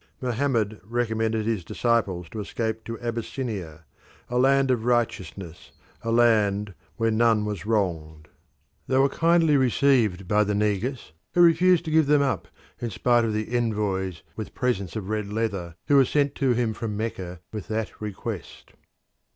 Mohammed recommended his disciples to escape to Abyssinia, "a land of righteousness, a land where none was wronged." They were kindly received by the Negus, who refused to give them up in spite of the envoys with presents of red leather who were sent to him from Mecca with that request.